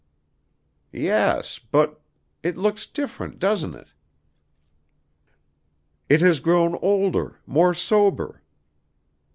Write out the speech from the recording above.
"Yes, but it looks different, doesn't it?" "It has grown older more sober."